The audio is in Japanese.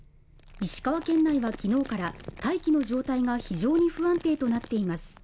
石川県内はきのうから大気の状態が非常に不安定となっています